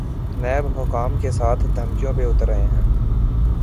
NAB حکام کے ساتھ دھمکیوں پہ اتر آئے ہیں۔